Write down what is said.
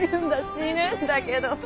死ぬんだけど。